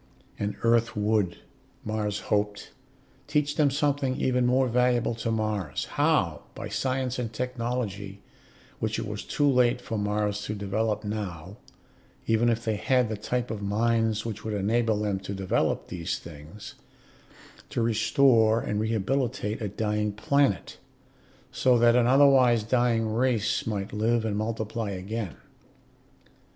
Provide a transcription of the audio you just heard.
And Earth would, Mars hoped, teach them something even more valuable to Mars: how, by science and technology which it was too late for Mars to develop now, even if they had the type of minds which would enable them to develop these things to restore and rehabilitate a dying planet, so that an otherwise dying race might live and multiply again.